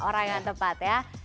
orang yang tepat ya